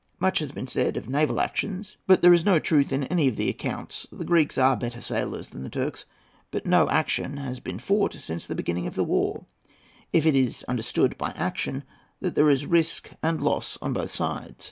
Much has been said of naval actions, but there is no truth in any of the accounts. The Greeks are better sailors than the Turks, but no action has been fought since the beginning of the war, if it is understood by action that there is risk and loss on both sides.